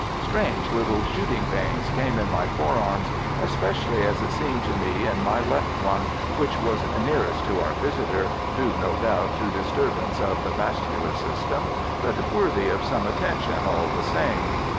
Strange little shooting pains came in my forearms, especially as it seemed to me in my left one, which was nearest to our visitor—due no doubt to disturbance of the vascular system, but worthy of some attention all the same.